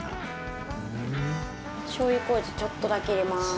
しょう油麹ちょっとだけ入れます。